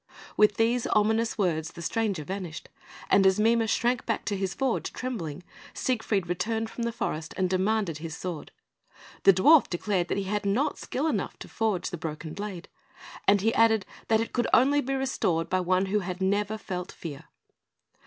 With these ominous words the stranger vanished, and as Mime shrank back to his forge, trembling, Siegfried returned from the forest, and demanded his sword. The dwarf declared that he had not skill enough to forge the broken blade, and he added that it could only be restored by one who had never felt fear.